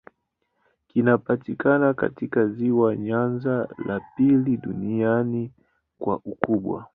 Kinapatikana katika ziwa Nyanza, la pili duniani kwa ukubwa.